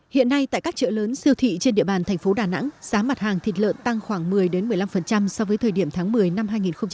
hiện nay tại các chợ lớn siêu thị trên địa bàn thành phố đà nẵng giá mặt hàng thịt lợn tăng khoảng một mươi một mươi năm so với thời điểm tháng một mươi năm hai nghìn một mươi tám